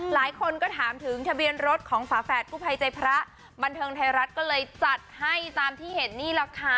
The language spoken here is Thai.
หลายคนก็ถามถึงทะเบียนรถของฝาแฝดกู้ภัยใจพระบันเทิงไทยรัฐก็เลยจัดให้ตามที่เห็นนี่แหละค่ะ